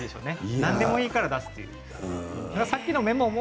何でもいいから出すという感じですね。